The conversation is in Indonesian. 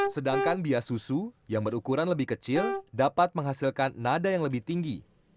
sedangkan bias susu yang berukuran lebih kecil dapat menghasilkan nada yang lebih tinggi